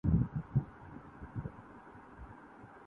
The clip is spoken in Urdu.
بنیں گے اور ستارے اب آسماں کے لیے